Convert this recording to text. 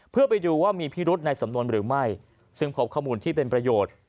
เพื่อไปดูว่ามีพิรุธในสำนวนหรือไม่ซึ่งพบข้อมูลที่เป็นประโยชน์